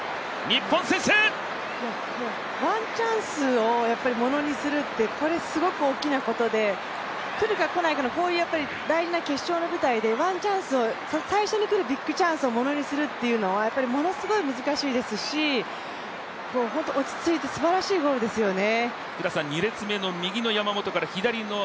ワンチャンスをものにするって、これ、すごく大きなことで来るか来ないかの大事な決勝の舞台で最初に来るビッグチャンスをものにするというのはものすごく難しいですし落ち着いて、すばらしいゴールですよね。